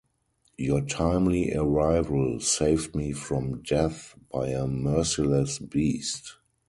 Your timely arrival saved me from death by a merciless beast.